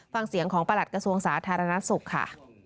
ฟังเสียงของประหลัดกระทรวงสาธารณสุขค่ะ